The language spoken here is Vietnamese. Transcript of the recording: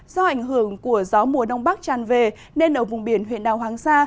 do ảnh hưởng của gió mùa đông bắc tràn về nên ở vùng biển huyện đảo hoàng sa